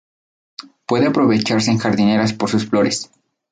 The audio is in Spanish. Puede aprovecharse en jardinería por sus flores.